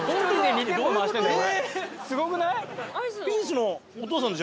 すごくない？